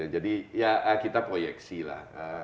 jadi ya kita proyeksi lah